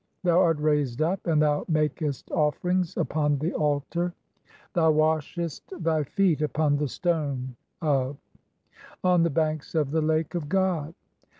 "Thou art raised up and thou makest offerings upon the altar, "thou washest thy feet upon the stone of (42) on the "banks of the Lake of God.